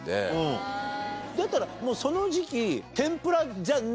だったらもうその時期。